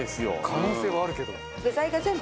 可能性はあるけど。